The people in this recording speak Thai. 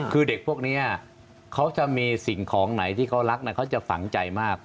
คือเด็กพวกนี้เขาจะมีสิ่งของไหนที่เขารักเขาจะฝังใจมาก